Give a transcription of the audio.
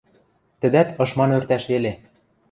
Тӹдӓт ышма нӧртӓш веле.